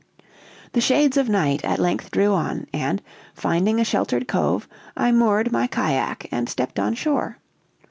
"The shades of night at length drew on, and, finding a sheltered cove, I moored my cajack, and stepped on shore.